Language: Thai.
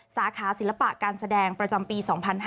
สาขาศิลปะการแสดงประจำปี๒๕๕๙